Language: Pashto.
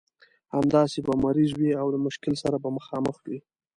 همداسې به مریض وي او له مشکل سره مخامخ وي.